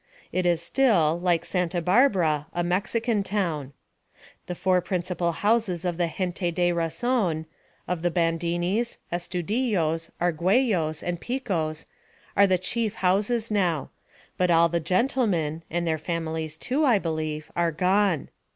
It is still, like Santa Barbara, a Mexican town. The four principal houses of the gente de razon of the Bandinis, Estudillos, Argüellos, and Picos are the chief houses now; but all the gentlemen and their families, too, I believe are gone.